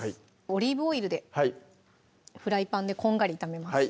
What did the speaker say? オリーブオイルでフライパンでこんがり炒めます